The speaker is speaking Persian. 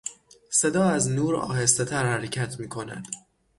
صدا از نور آهستهتر حرکت میکند.